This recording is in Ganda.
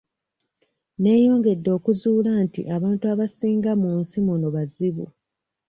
Neeyongedde okuzuula nti abantu abasinga mu nsi muno bazibu.